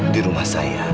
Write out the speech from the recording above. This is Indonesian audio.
di rumah saya